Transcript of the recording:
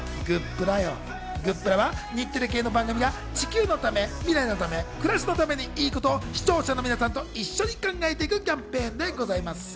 グップラは日テレ系の番組が地球のため未来のため暮らしのためにいいことを視聴者の皆さんと一緒に考えていくキャンペーンでございます。